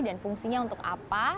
dan fungsinya untuk apa